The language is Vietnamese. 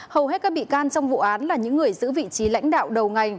hầu hết các bị can trong vụ án là những người giữ vị trí lãnh đạo đầu ngành